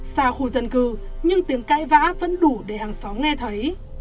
xa khu dân cư nhưng tiếng cãi vã vẫn đủ để hàng xóm nghe thấy